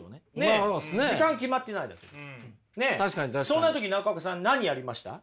そんな時中岡さん何やりました？